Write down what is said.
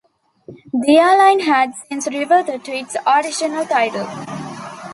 The airline had since reverted to its original title.